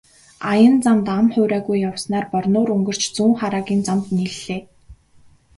Аян замд ам хуурайгүй явсаар Борнуур өнгөрч Зүүнхараагийн замд нийллээ.